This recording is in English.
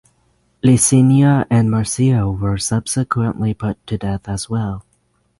Licinia and Marcia were subsequently put to death as well.